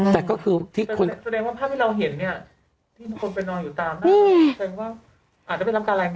แสดงว่าภาพที่เราเห็นเนี่ย